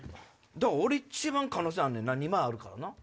俺一番可能性あんねんな２枚あるからな。